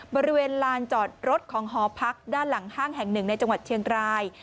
บริเวณลานจอดรถของหอพักด้านหลังห้างแห่งหนึ่งในจังหวัดเชียงราย